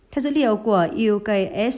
theo dữ liệu của ukssa